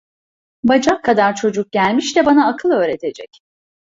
Bacak kadar çocuk gelmiş de bana akıl öğretecek.